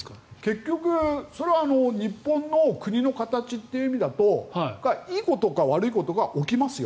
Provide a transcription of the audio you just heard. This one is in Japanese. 結局日本の国の形という意味だといいことか、悪いことか起きますよ。